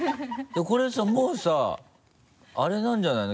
これさもうさあれなんじゃないの？